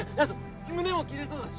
胸も奇麗そうだし。